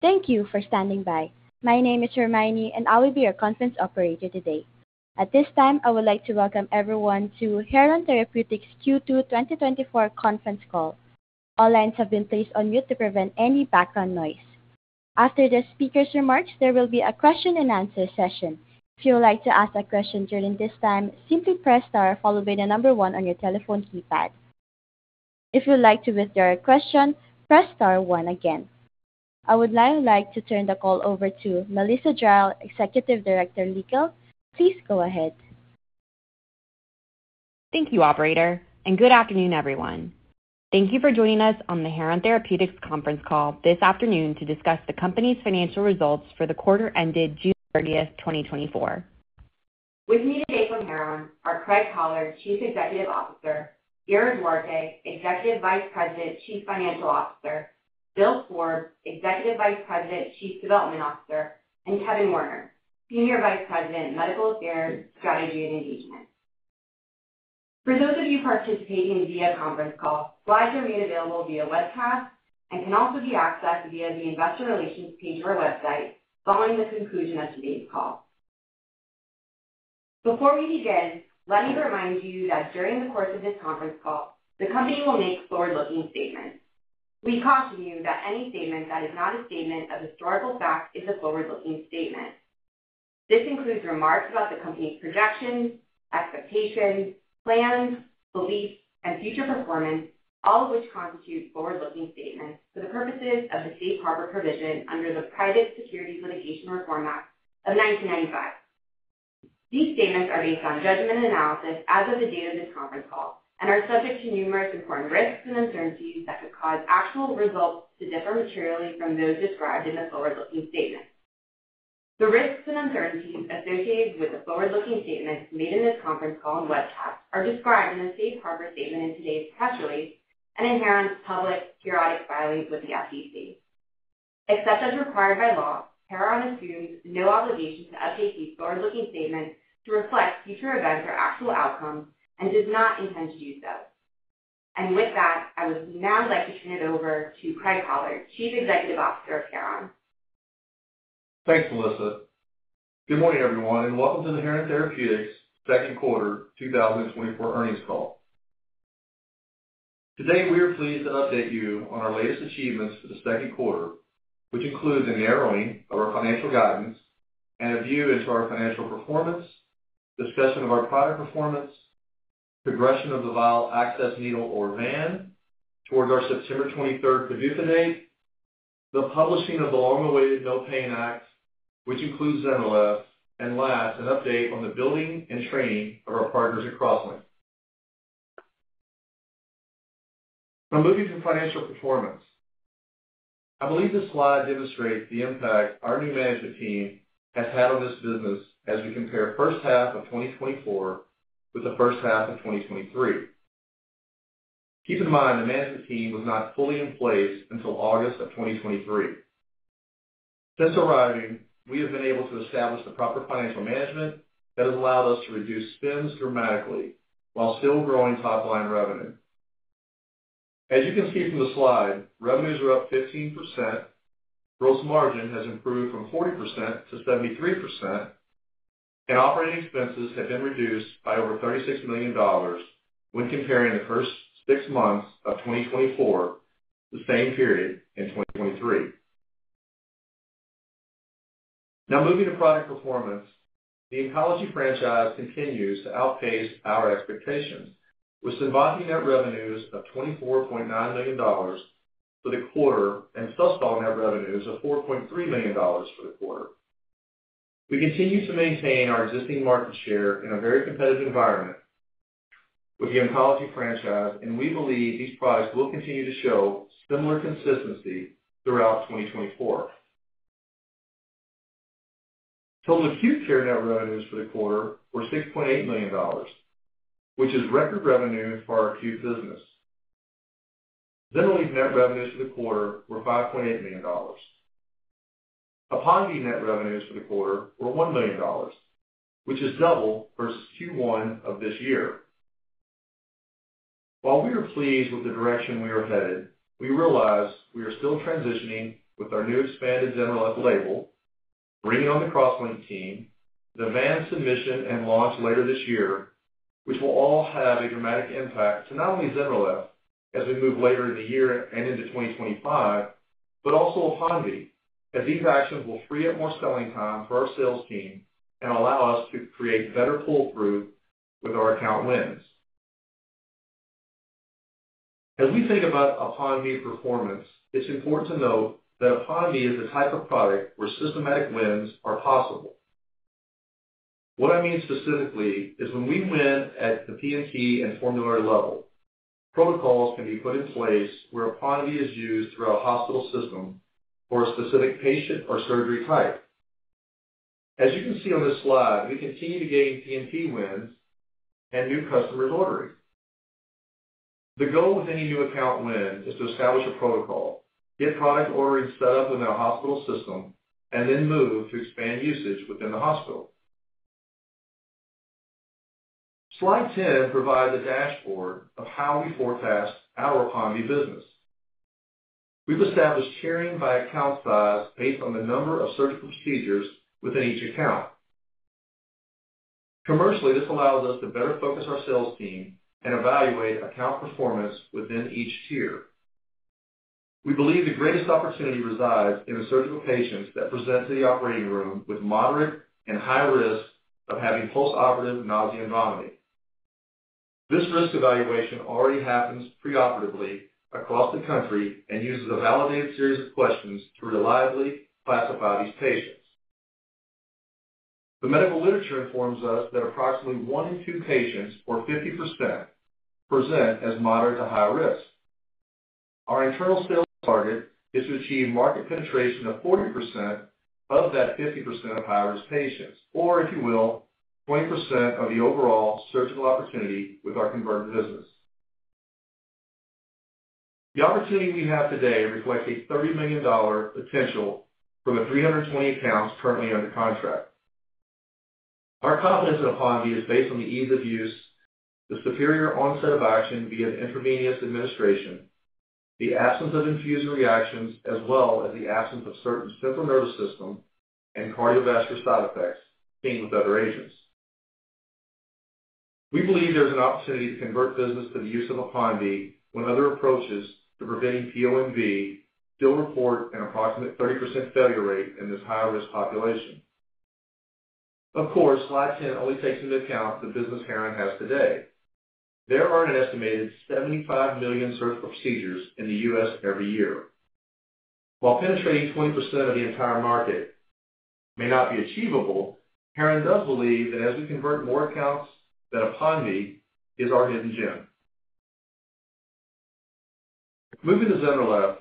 Thank you for standing by. My name is Hermione, and I will be your conference operator today. At this time, I would like to welcome everyone to Heron Therapeutics Q2 2024 Conference Call. All lines have been placed on mute to prevent any background noise. After the speaker's remarks, there will be a question and answer session. If you would like to ask a question during this time, simply press star followed by the number one on your telephone keypad. If you'd like to withdraw your question, press star one again. I would now like to turn the call over to Melissa Jarel, Executive Director, Legal. Please go ahead. Thank you, operator, and good afternoon, everyone. Thank you for joining us on the Heron Therapeutics conference call this afternoon to discuss the company's financial results for the quarter ended June 30, 2024. With me today from Heron are Craig Collard, Chief Executive Officer; Ira Duarte, Executive Vice President, Chief Financial Officer; Bill Forbes, Executive Vice President, Chief Development Officer; and Kevin Warner, Senior Vice President, Medical Affairs, Strategy, and Engagement. For those of you participating via conference call, slides are made available via webcast and can also be accessed via the investor relations page of our website following the conclusion of today's call. Before we begin, let me remind you that during the course of this conference call, the company will make forward-looking statements. We caution you that any statement that is not a statement of historical fact is a forward-looking statement. This includes remarks about the company's projections, expectations, plans, beliefs, and future performance, all of which constitute forward-looking statements for the purposes of the safe harbor provision under the Private Securities Litigation Reform Act of 1995. These statements are based on judgment and analysis as of the date of this conference call and are subject to numerous important risks and uncertainties that could cause actual results to differ materially from those described in the forward-looking statements. The risks and uncertainties associated with the forward-looking statements made in this conference call and webcast are described in the safe harbor statement in today's press release and in Heron's public periodic filings with the SEC. Except as required by law, Heron assumes no obligation to update these forward-looking statements to reflect future events or actual outcomes and does not intend to do so. With that, I would now like to turn it over to Craig Collard, Chief Executive Officer of Heron. Thanks, Melissa. Good morning, everyone, and welcome to the Heron Therapeutics second quarter 2024 earnings call. Today, we are pleased to update you on our latest achievements for the second quarter, which includes a narrowing of our financial guidance and a view into our financial performance, discussion of our product performance, progression of the vial access needle, or VAN, towards our September 23rd PDUFA date, the publishing of the long-awaited NOPAIN Act, which includes ZYNRELEF, and last, an update on the building and training of our partners at CrossLink. Now moving to financial performance. I believe this slide demonstrates the impact our new management team has had on this business as we compare first half of 2024 with the first half of 2023. Keep in mind, the management team was not fully in place until August of 2023. Since arriving, we have been able to establish the proper financial management that has allowed us to reduce spends dramatically while still growing top-line revenue. As you can see from the slide, revenues are up 15%, gross margin has improved from 40% to 73%, and operating expenses have been reduced by over $36 million when comparing the first six months of 2024 to the same period in 2023. Now moving to product performance. The Oncology franchise continues to outpace our expectations, with CINVANTI net revenues of $24.9 million for the quarter and SUSTOL net revenues of $4.3 million for the quarter. We continue to maintain our existing market share in a very competitive environment with the Oncology franchise, and we believe these products will continue to show similar consistency throughout 2024. Total acute care net revenues for the quarter were $6.8 million, which is record revenue for our acute business. ZYNRELEF net revenues for the quarter were $5.8 million. APONVIE net revenues for the quarter were $1 million, which is double versus Q1 of this year. While we are pleased with the direction we are headed, we realize we are still transitioning with our new expanded ZYNRELEF label, bringing on the CrossLink team, the VAN submission and launch later this year, which will all have a dramatic impact to not only ZYNRELEF as we move later in the year and into 2025, but also APONVIE, as these actions will free up more selling time for our sales team and allow us to create better pull-through with our account wins. As we think about APONVIE performance, it's important to note that APONVIE is the type of product where systematic wins are possible. What I mean specifically is when we win at the P&P and formulary level, protocols can be put in place where APONVIE is used throughout a hospital system for a specific patient or surgery type. As you can see on this slide, we continue to gain P&P wins and new customers ordering. The goal with any new account win is to establish a protocol, get product ordering set up within our hospital system, and then move to expand usage within the hospital. Slide ten provides a dashboard of how we forecast our APONVIE business. We've established tiering by account size based on the number of surgical procedures within each account. Commercially, this allows us to better focus our sales team and evaluate account performance within each tier. We believe the greatest opportunity resides in the surgical patients that present to the operating room with moderate and high risk of having postoperative nausea and vomiting. This risk evaluation already happens preoperatively across the country and uses a validated series of questions to reliably classify these patients. The medical literature informs us that approximately one in two patients, or 50%, present as moderate to high risk. Our internal sales target is to achieve market penetration of 40% of that 50% of high-risk patients, or if you will, 20% of the overall surgical opportunity with our converted business. The opportunity we have today reflects a $30 million potential from the 320 accounts currently under contract. Our confidence in APONVIE is based on the ease of use, the superior onset of action via intravenous administration, the absence of infusion reactions, as well as the absence of certain central nervous system and cardiovascular side effects seen with other agents. We believe there's an opportunity to convert business to the use of APONVIE when other approaches to preventing PONV still report an approximate 30% failure rate in this high-risk population. Of course, slide 10 only takes into account the business Heron has today. There are an estimated 75 million surgical procedures in the U.S. every year. While penetrating 20% of the entire market may not be achievable, Heron does believe that as we convert more accounts, that APONVIE is our hidden gem. Moving to ZYNRELEF,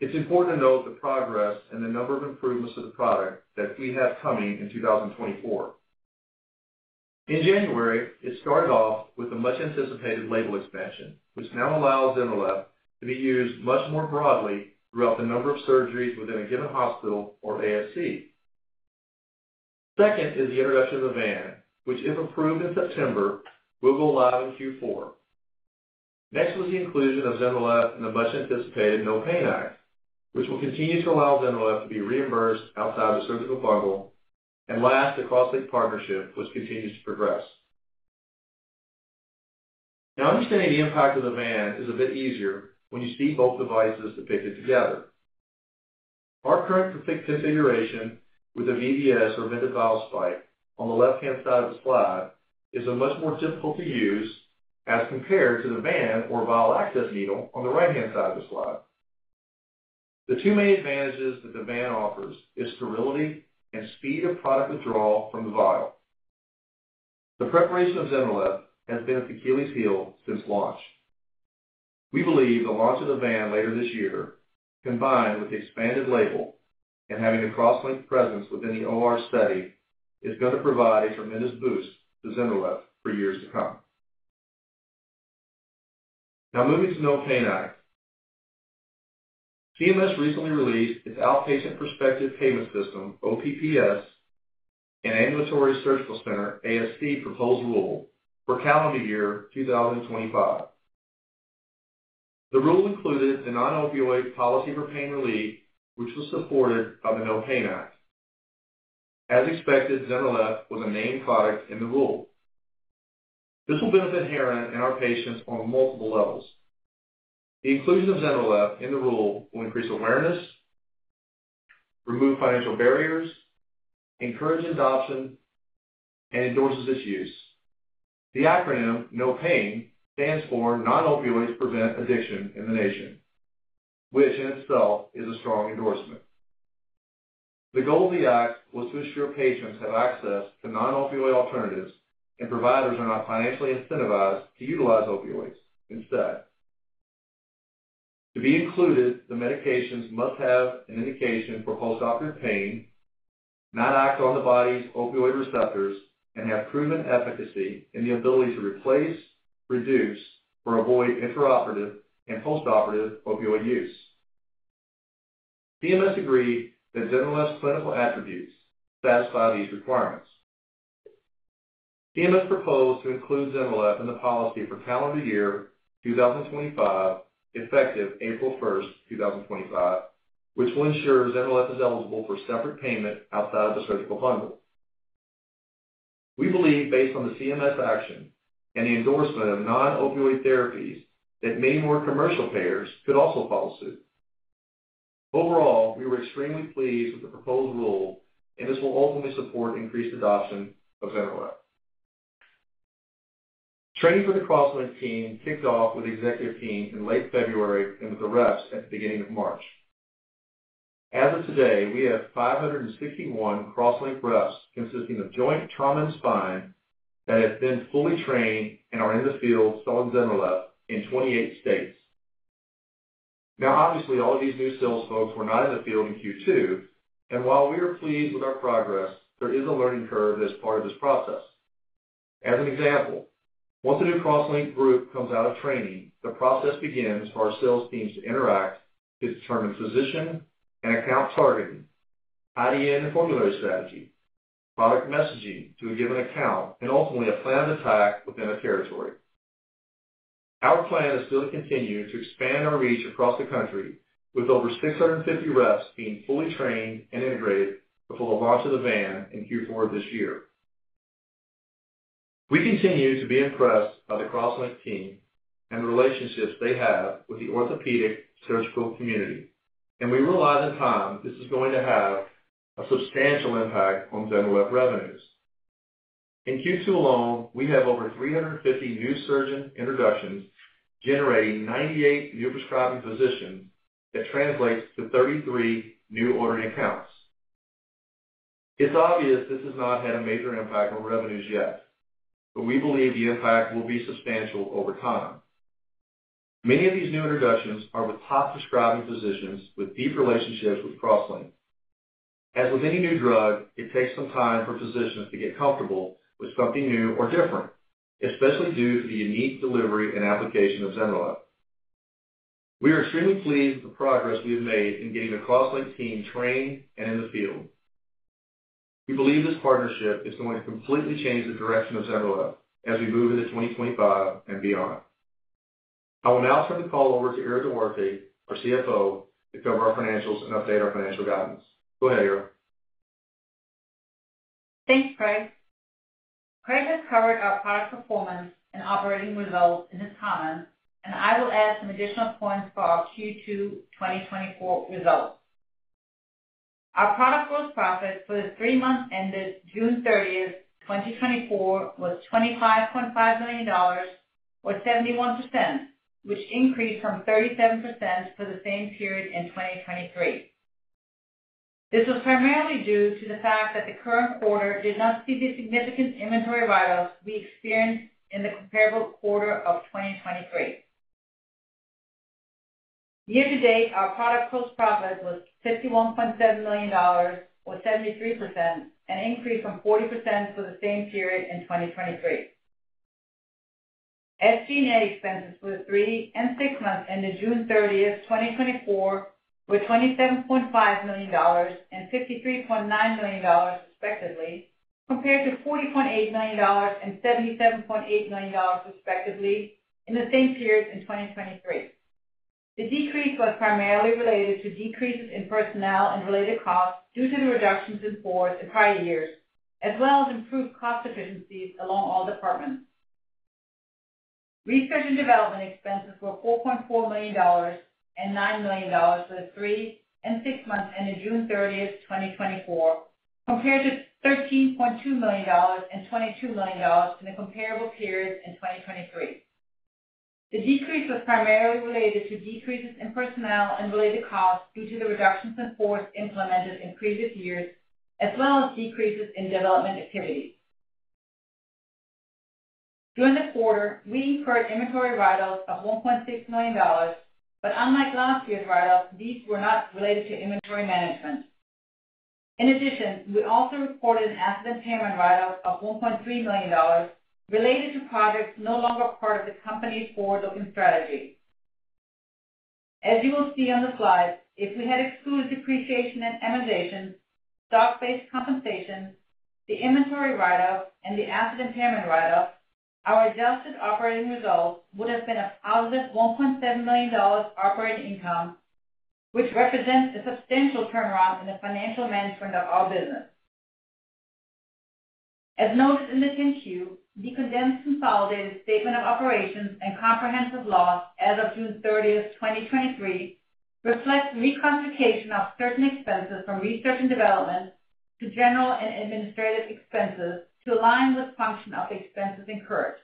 it's important to note the progress and the number of improvements to the product that we have coming in 2024. In January, it started off with a much-anticipated label expansion, which now allows ZYNRELEF to be used much more broadly throughout the number of surgeries within a given hospital or ASC. Second is the introduction of the VAN, which, if approved in September, will go live in Q4. Next was the inclusion of ZYNRELEF in the much-anticipated NOPAIN Act, which will continue to allow ZYNRELEF to be reimbursed outside the surgical bundle, and last, the CrossLink partnership, which continues to progress. Now, understanding the impact of the VAN is a bit easier when you see both devices depicted together. Our current configuration with a VVS, or vented vial spike, on the left-hand side of the slide, is much more difficult to use as compared to the VAN or vial access needle on the right-hand side of the slide. The two main advantages that the VAN offers is sterility and speed of product withdrawal from the vial. The preparation of ZYNRELEF has been its Achilles heel since launch. We believe the launch of the VAN later this year, combined with the expanded label and having a CrossLink presence within the OR study, is going to provide a tremendous boost to ZYNRELEF for years to come. Now, moving to NOPAIN Act. CMS recently released its outpatient prospective payment system, OPPS, and ambulatory surgical center, ASC, proposed rule for calendar year 2025. The rule included the non-opioid policy for pain relief, which was supported by the NOPAIN Act. As expected, ZYNRELEF was a named product in the rule. This will benefit Heron and our patients on multiple levels. The inclusion of ZYNRELEF in the rule will increase awareness, remove financial barriers, encourage adoption, and endorses its use. The acronym NOPAIN stands for Non-Opioids Prevent Addiction in the Nation, which in itself is a strong endorsement. The goal of the act was to ensure patients have access to non-opioid alternatives, and providers are not financially incentivized to utilize opioids instead. To be included, the medications must have an indication for postoperative pain, not act on the body's opioid receptors, and have proven efficacy in the ability to replace, reduce, or avoid intraoperative and postoperative opioid use. CMS agreed that ZYNRELEF's clinical attributes satisfy these requirements. CMS proposed to include ZYNRELEF in the policy for calendar year 2025, effective April 1, 2025, which will ensure ZYNRELEF is eligible for separate payment outside of the surgical bundle. We believe, based on the CMS action and the endorsement of non-opioid therapies, that many more commercial payers could also follow suit. Overall, we were extremely pleased with the proposed rule, and this will ultimately support increased adoption of ZYNRELEF. Training for the CrossLink team kicked off with the executive team in late February, and with the rest at the beginning of March. As of today, we have 561 CrossLink reps, consisting of joint, trauma, and spine, that have been fully trained and are in the field selling ZYNRELEF in 28 states. Now, obviously, all of these new sales folks were not in the field in Q2, and while we are pleased with our progress, there is a learning curve as part of this process. As an example, once a new CrossLink group comes out of training, the process begins for our sales teams to interact to determine physician and account targeting, IDN formulary strategy, product messaging to a given account, and ultimately, a plan of attack within a territory. Our plan is still to continue to expand our reach across the country, with over 650 reps being fully trained and integrated before the launch of the VAN in Q4 this year. We continue to be impressed by the CrossLink team and the relationships they have with the orthopedic surgical community, and we realize in time this is going to have a substantial impact on ZYNRELEF revenues. In Q2 alone, we have over 350 new surgeon introductions, generating 98 new prescribing physicians. That translates to 33 new ordering accounts. It's obvious this has not had a major impact on revenues yet, but we believe the impact will be substantial over time. Many of these new introductions are with top prescribing physicians with deep relationships with CrossLink. As with any new drug, it takes some time for physicians to get comfortable with something new or different, especially due to the unique delivery and application of ZYNRELEF. We are extremely pleased with the progress we have made in getting the CrossLink team trained and in the field. We believe this partnership is going to completely change the direction of ZYNRELEF as we move into 2025 and beyond. I will now turn the call over to Ira Duarte, our CFO, to cover our financials and update our financial guidance. Go ahead, Ira. Thanks, Craig. Craig has covered our product performance and operating results in his time, and I will add some additional points for our Q2 2024 results. Our product gross profit for the three months ended June 30, 2024, was $25.5 million, or 71%, which increased from 37% for the same period in 2023. This was primarily due to the fact that the current quarter did not see the significant inventory write-offs we experienced in the comparable quarter of 2023. Year to date, our product gross profit was $61.7 million, or 73%, an increase from 40% for the same period in 2023. SG&A expenses for the three and six months ended June 30, 2024, were $27.5 million and $53.9 million, respectively, compared to $40.8 and 77.8 million, respectively, in the same period in 2023. The decrease was primarily related to decreases in personnel and related costs due to the reductions in force in prior years, as well as improved cost efficiencies along all departments. Research and development expenses were $4.4 and 9 million for the three and six months ended June 30, 2024, compared to $13.2 and 22 million in the comparable periods in 2023. The decrease was primarily related to decreases in personnel and related costs due to the reductions in force implemented in previous years, as well as decreases in development activities. During the quarter, we incurred inventory write-offs of $1.6 million, but unlike last year's write-offs, these were not related to inventory management. In addition, we also reported an asset impairment write-off of $1.3 million related to projects no longer part of the company's forward-looking strategy. As you will see on the slide, if we had excluded depreciation and amortization, stock-based compensation, the inventory write-off, and the asset impairment write-off, our adjusted operating results would have been a positive $1.7 million operating income, which represents a substantial turnaround in the financial management of our business. As noted in the 10-Q, the condensed consolidated statement of operations and comprehensive loss as of June 30, 2023, reflects reclassification of certain expenses from research and development to general and administrative expenses to align with the function of expenses incurred.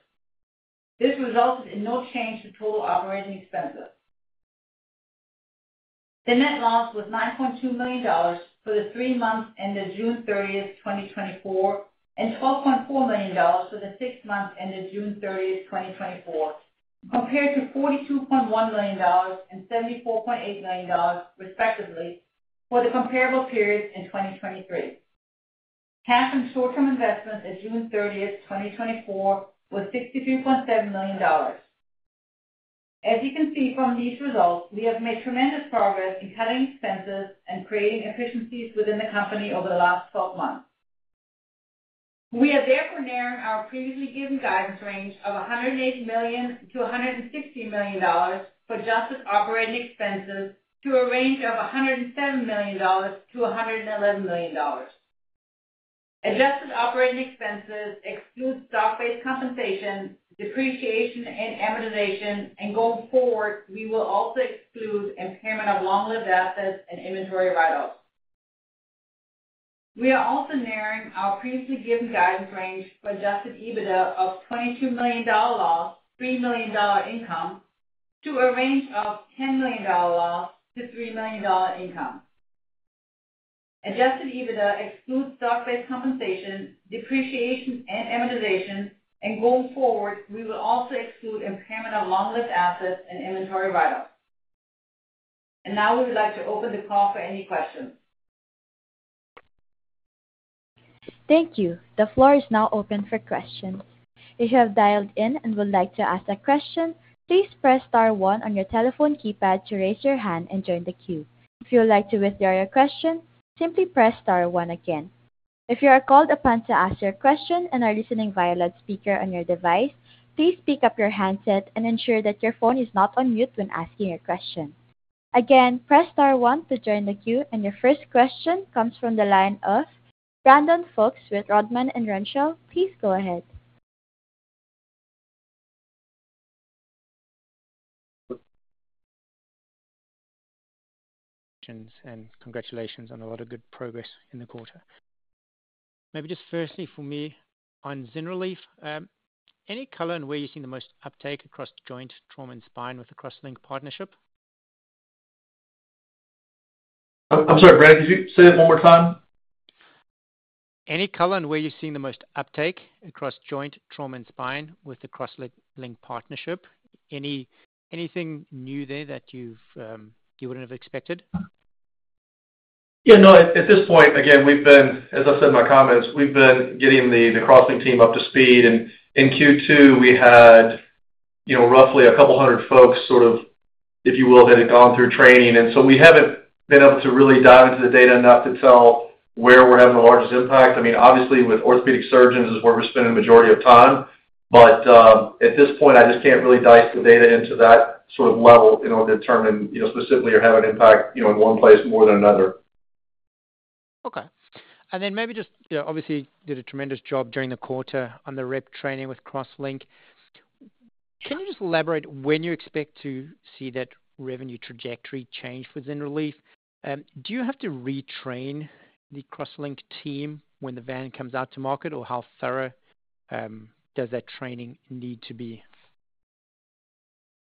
This resulted in no change to total operating expenses. The net loss was $9.2 million for the three months ended June 30, 2024, and $12.4 million for the six months ended June 30, 2024, compared to $42.1 and 74.8 million, respectively, for the comparable period in 2023. Cash and short-term investments as of June 30, 2024, was $62.7 million. As you can see from these results, we have made tremendous progress in cutting expenses and creating efficiencies within the company over the last 12 months. We are therefore narrowing our previously given guidance range of $180-160 million for adjusted operating expenses to a range of $107-111 million. Adjusted operating expenses exclude stock-based compensation, depreciation, and amortization, and going forward, we will also exclude impairment of long-lived assets and inventory write-offs. We are also narrowing our previously given guidance range for adjusted EBITDA of $22 million loss, $3 million income, to a range of $10 million loss to $3 million income. Adjusted EBITDA excludes stock-based compensation, depreciation, and amortization, and going forward, we will also exclude impairment of long-lived assets and inventory write-offs. And now we would like to open the call for any questions. Thank you. The floor is now open for questions. If you have dialed in and would like to ask a question, please press star one on your telephone keypad to raise your hand and join the queue. If you would like to withdraw your question, simply press star one again. If you are called upon to ask your question and are listening via loudspeaker on your device, please pick up your handset and ensure that your phone is not on mute when asking your question. Again, press star one to join the queue, and your first question comes from the line of Brandon Folkes with Rodman & Renshaw. Please go ahead.... and congratulations on a lot of good progress in the quarter. Maybe just firstly for me, on ZYNRELEF, any color on where you're seeing the most uptake across joint, trauma, and spine with the CrossLink partnership? I'm sorry, Brad, could you say that one more time? Any color on where you're seeing the most uptake across joint, trauma, and spine with the CrossLink partnership? Any, anything new there that you've, you wouldn't have expected? Yeah, no, at this point, again, we've been, as I said in my comments, we've been getting the CrossLink team up to speed, and in Q2, we had, you know, roughly 200 folks sort of, if you will, had gone through training. And so we haven't been able to really dive into the data enough to tell where we're having the largest impact. I mean, obviously, with orthopedic surgeons is where we're spending the majority of time. But at this point, I just can't really dice the data into that sort of level, you know, to determine, you know, specifically or have an impact, you know, in one place more than another. Okay. And then maybe just, you know, obviously, did a tremendous job during the quarter on the rep training with CrossLink. Can you just elaborate when you expect to see that revenue trajectory change for ZYNRELEF? Do you have to retrain the CrossLink team when the VAN comes out to market, or how thorough does that training need to be?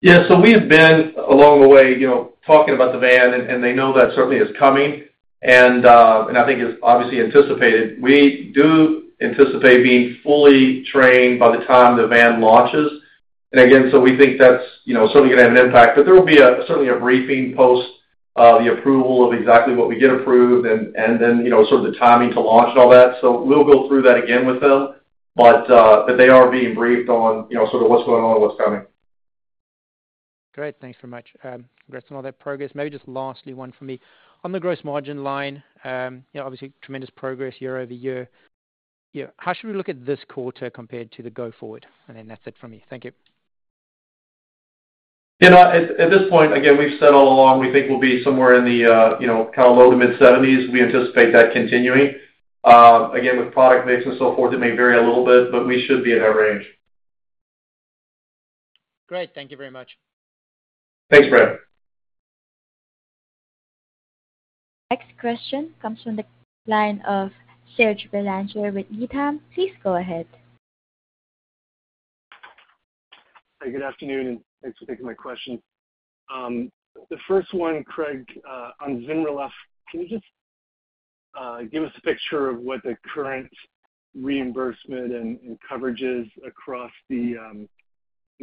Yeah, so we have been, along the way, you know, talking about the VAN, and they know that certainly is coming. And I think it's obviously anticipated. We do anticipate being fully trained by the time the VAN launches. And again, so we think that's, you know, certainly gonna have an impact. But there will be a certainly a briefing post the approval of exactly what we get approved and, and then, you know, sort of the timing to launch and all that. So we'll go through that again with them. But but they are being briefed on, you know, sort of what's going on and what's coming. Great. Thanks very much. Congrats on all that progress. Maybe just lastly, one for me. On the gross margin line, you know, obviously tremendous progress year-over-year. Yeah, how should we look at this quarter compared to the go forward? And then that's it from me. Thank you. You know, at this point, again, we've said all along, we think we'll be somewhere in the low-to-mid 70s. We anticipate that continuing. Again, with product mix and so forth, it may vary a little bit, but we should be in that range. Great. Thank you very much. Thanks, Brad. Next question comes from the line of Serge Belanger with Needham. Please go ahead. Hi, good afternoon, and thanks for taking my question. The first one, Craig, on ZYNRELEF, can you just give us a picture of what the current reimbursement and, and coverage is across the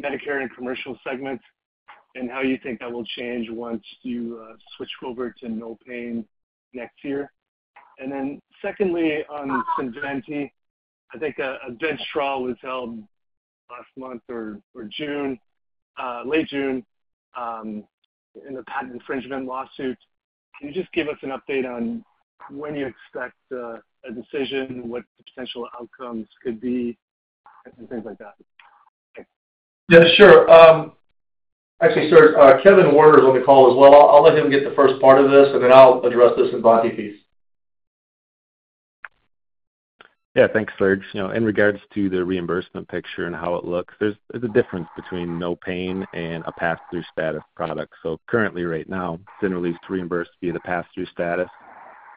Medicare and commercial segments, and how you think that will change once you switch over to NOPAIN next year? And then secondly, on CINVANTI, I think a bench trial was held last month or June, late June, in the patent infringement lawsuit. Can you just give us an update on when you expect a decision, what the potential outcomes could be and things like that? Yeah, sure. Actually, Serge, Kevin Warner is on the call as well. I'll let him get the first part of this, and then I'll address the CINVANTI piece. Yeah, thanks, Serge. You know, in regards to the reimbursement picture and how it looks, there's a difference between NOPAIN and a pass-through status product. So currently, right now, ZYNRELEF's reimbursed via the pass-through status,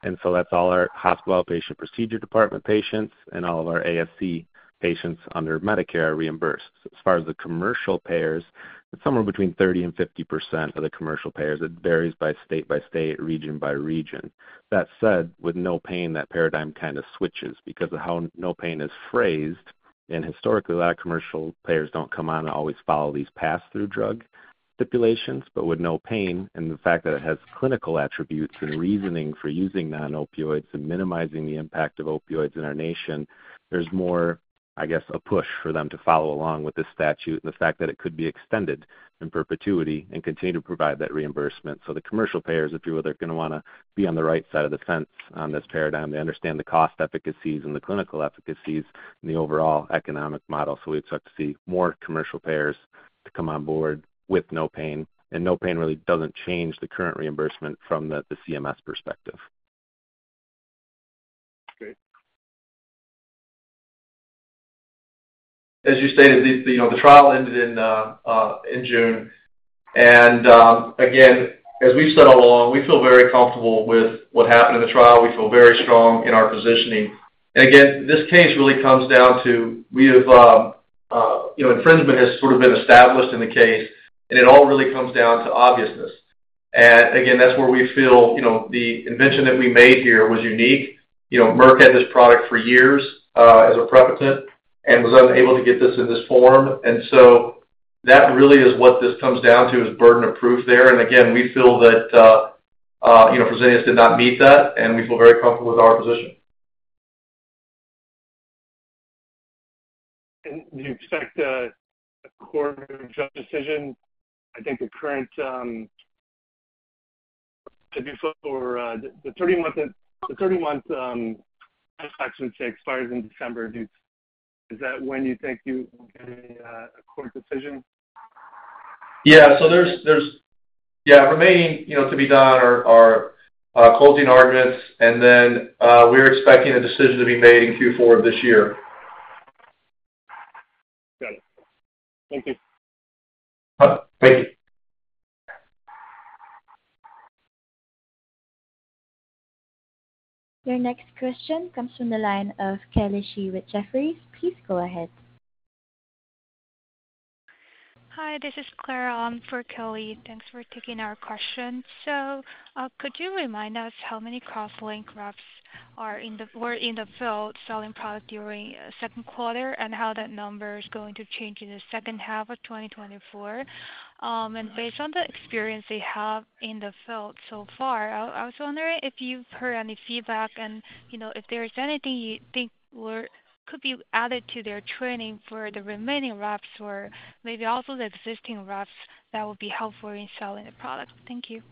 and so that's all our hospital outpatient procedure department patients and all of our ASC patients under Medicare are reimbursed. As far as the commercial payers, it's somewhere between 30% and 50% of the commercial payers. It varies by state by state, region by region. That said, with NOPAIN, that paradigm kind of switches because of how NOPAIN is phrased. And historically, a lot of commercial payers don't come on and always follow these pass-through drug stipulations. But with the NOPAIN Act and the fact that it has clinical attributes and reasoning for using non-opioids and minimizing the impact of opioids in our nation, there's more, I guess, a push for them to follow along with this statute and the fact that it could be extended in perpetuity and continue to provide that reimbursement. So the commercial payers, if you will, they're gonna wanna be on the right side of the fence on this paradigm. They understand the cost efficacies and the clinical efficacies and the overall economic model. So we'd expect to see more commercial payers to come on board with the NOPAIN Act, and the NOPAIN Act really doesn't change the current reimbursement from the CMS perspective. Great. As you stated, you know, the trial ended in June. And again, as we've said all along, we feel very comfortable with what happened in the trial. We feel very strong in our positioning. And again, this case really comes down to we have, you know, infringement has sort of been established in the case, and it all really comes down to obviousness. And again, that's where we feel, you know, the invention that we made here was unique. You know, Merck had this product for years as a precedent and was unable to get this in this form. And so... That really is what this comes down to, is burden of proof there. And again, we feel that, you know, Fresenius did not meet that, and we feel very comfortable with our position. Do you expect a court judge decision? I think the current before the 30-month, I would say, expires in December. Do you? Is that when you think you will get a court decision? Yeah. So there's remaining, you know, to be done are closing arguments, and then we're expecting a decision to be made in Q4 of this year. Got it. Thank you. Thank you. Your next question comes from the line of Kelly Shi with Jefferies. Please go ahead. Hi, this is Clara, for Kelly. Thanks for taking our question. So, could you remind us how many CrossLink reps were in the field selling product during second quarter, and how that number is going to change in the second half of 2024? And based on the experience they have in the field so far, I was wondering if you've heard any feedback and, you know, if there is anything you think could be added to their training for the remaining reps or maybe also the existing reps that would be helpful in selling the product. Thank you.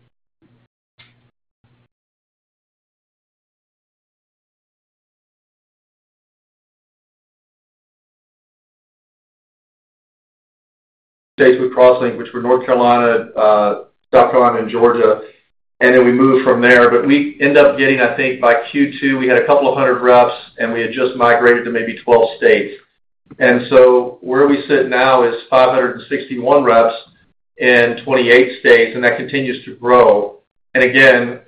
States with CrossLink, which were North Carolina, South Carolina, and Georgia, and then we moved from there. But we ended up getting, I think, by Q2, we had a couple of hundred reps, and we had just migrated to maybe 12 states. And so where we sit now is 561 reps in 28 states, and that continues to grow. And again,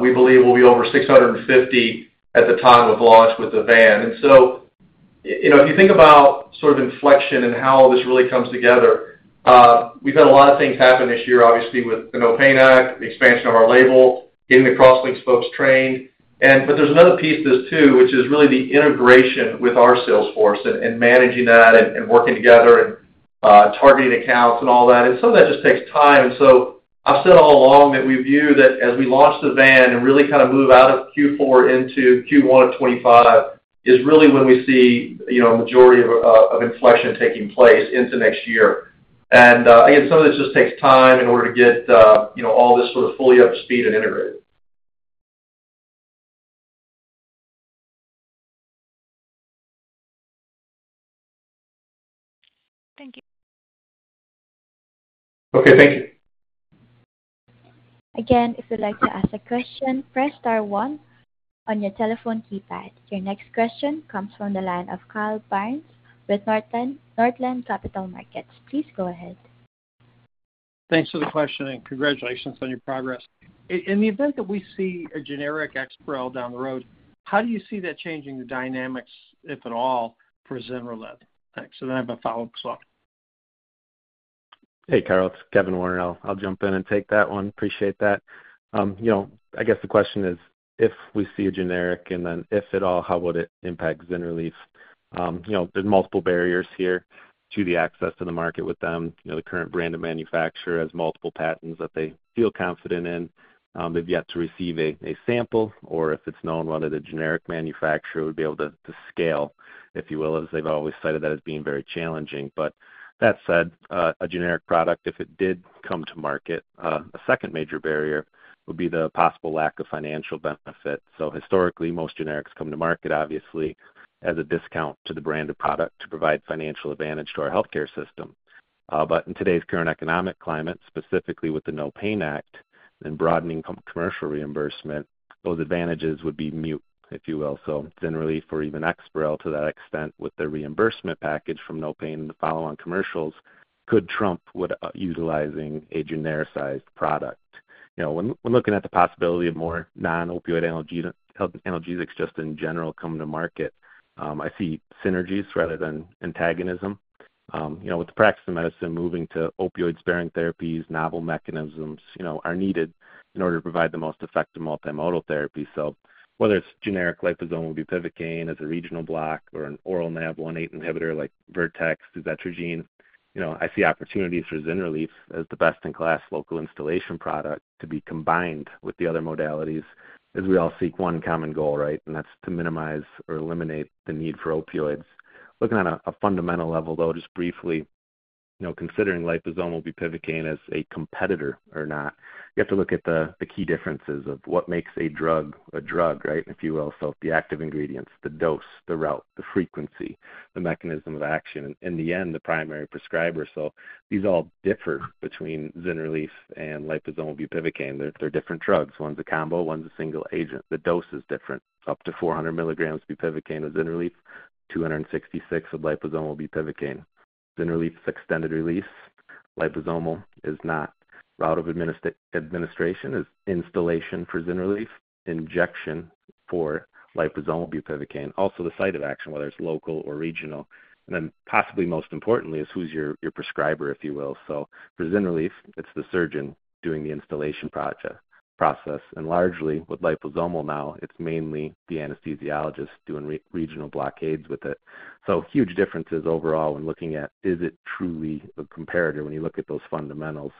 we believe we'll be over 650 at the time of launch with the VAN. And so, you know, if you think about sort of inflection and how this really comes together, we've had a lot of things happen this year, obviously, with the NOPAIN Act, the expansion of our label, getting the CrossLink folks trained. But there's another piece to this, too, which is really the integration with our sales force and managing that and working together and targeting accounts and all that. Some of that just takes time. So I've said all along that we view that as we launch the VAN and really kind of move out of Q4 into Q1 of 2025, is really when we see, you know, a majority of inflection taking place into next year. Again, some of this just takes time in order to get, you know, all this sort of fully up to speed and integrated. Thank you. Okay, thank you. Again, if you'd like to ask a question, press star one on your telephone keypad. Your next question comes from the line of Carl Byrnes with Northland, Northland Capital Markets. Please go ahead. Thanks for the question, and congratulations on your progress. In the event that we see a generic EXPAREL down the road, how do you see that changing the dynamics, if at all, for ZYNRELEF? Thanks. So then I have a follow-up as well. Hey, Carl, it's Kevin Warner. I'll jump in and take that one. Appreciate that. You know, I guess the question is, if we see a generic and then if at all, how would it impact ZYNRELEF? You know, there's multiple barriers here to the access to the market with them. You know, the current brand of manufacturer has multiple patents that they feel confident in. They've yet to receive a sample or if it's known whether the generic manufacturer would be able to scale, if you will, as they've always cited that as being very challenging. But that said, a generic product, if it did come to market, a second major barrier would be the possible lack of financial benefit. So historically, most generics come to market obviously as a discount to the brand of product to provide financial advantage to our healthcare system. But in today's current economic climate, specifically with the NOPAIN Act and broadening commercial reimbursement, those advantages would be moot, if you will. So ZYNRELEF for even EXPAREL to that extent, with the reimbursement package from NOPAIN, the follow-on commercials could trump with utilizing a genericized product. You know, when looking at the possibility of more non-opioid analgesics just in general coming to market, I see synergies rather than antagonism. You know, with the practice of medicine moving to opioid-sparing therapies, novel mechanisms, you know, are needed in order to provide the most effective multimodal therapy. So whether it's generic liposomal bupivacaine as a regional block or an oral NaV1.8 inhibitor like Vertex's suzetrigine, you know, I see opportunities for ZYNRELEF as the best-in-class local instillation product to be combined with the other modalities, as we all seek one common goal, right? And that's to minimize or eliminate the need for opioids. Looking at a fundamental level, though, just briefly, you know, considering liposomal bupivacaine as a competitor or not, you have to look at the key differences of what makes a drug a drug, right, if you will. So these all differ between ZYNRELEF and liposomal bupivacaine. They're different drugs. One's a combo, one's a single agent. The dose is different, up to 40mg bupivacaine of ZYNRELEF, 266 mg of liposomal bupivacaine. ZYNRELEF is extended-release, liposomal is not. Route of administration is installation for ZYNRELEF, injection for liposomal bupivacaine. Also, the site of action, whether it's local or regional, and then possibly most importantly is who's your, your prescriber, if you will. So for ZYNRELEF, it's the surgeon doing the installation process, and largely with liposomal now, it's mainly the anesthesiologist doing regional blockades with it. So huge differences overall when looking at is it truly a comparator when you look at those fundamentals?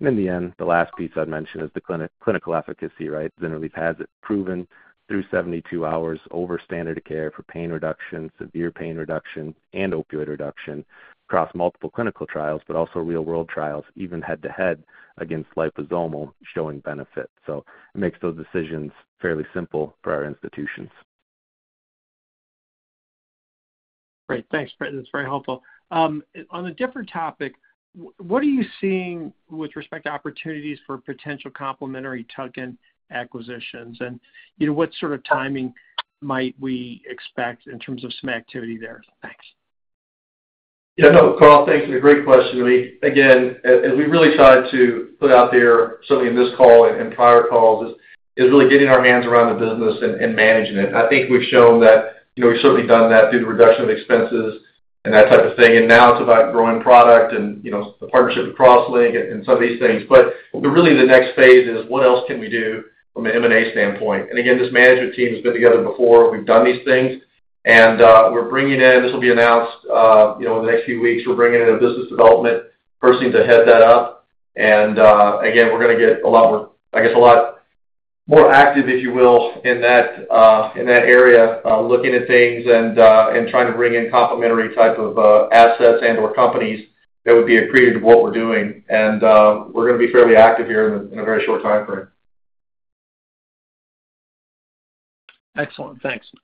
And in the end, the last piece I'd mention is the clinical efficacy, right? ZYNRELEF has it proven through 72 hours over standard of care for pain reduction, severe pain reduction, and opioid reduction across multiple clinical trials, but also real-world trials, even head-to-head against liposomal showing benefit. So it makes those decisions fairly simple for our institutions. Great. Thanks, Kevin. That's very helpful. On a different topic, what are you seeing with respect to opportunities for potential complementary tuck-in acquisitions? And, you know, what sort of timing might we expect in terms of some activity there? Thanks. Yeah, no, Carl, thanks for the great question. We again, as we really tried to put out there, certainly in this call and prior calls, is really getting our hands around the business and managing it. I think we've shown that, you know, we've certainly done that through the reduction of expenses and that type of thing. And now it's about growing product and, you know, the partnership with CrossLink and some of these things. But really the next phase is what else can we do from an M&A standpoint? And again, this management team has been together before. We've done these things, and we're bringing in... This will be announced, you know, in the next few weeks. We're bringing in a business development person to head that up. Again, we're gonna get a lot more, I guess, a lot more active, if you will, in that, in that area, looking at things and trying to bring in complementary type of assets and/or companies that would be accretive to what we're doing. We're gonna be fairly active here in a very short timeframe. Excellent. Thanks.